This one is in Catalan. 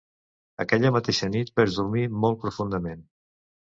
Aquella mateixa nit vaig dormir molt profundament.